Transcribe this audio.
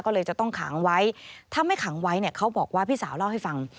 ก็เลยจะต้องขังไว้ถ้าไม่ขังไว้เนี่ยเขาบอกว่าพี่สาวเล่าให้ฟัง